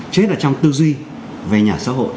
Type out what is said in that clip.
chứ hết là trong tư duy về nhà xã hội